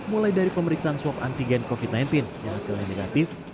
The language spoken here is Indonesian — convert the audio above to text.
mulai dari pemeriksaan swab antigen covid sembilan belas yang hasilnya negatif